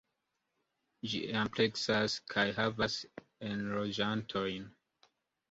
Ĝi ampleksas kaj havas enloĝantojn.